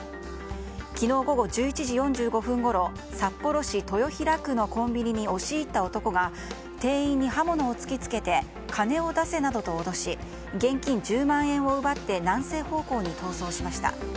昨日午後１１時４５分ごろ札幌市豊平区のコンビニに押し入った男が店員に刃物を突き付けて金を出せなどと脅し現金１０万円を奪って南西方向に逃走しました。